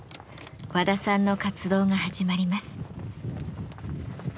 和田さんの活動が始まります。